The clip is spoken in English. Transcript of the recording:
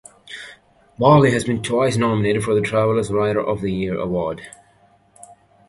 Barley has been twice nominated for the Travelex Writer of the Year Award.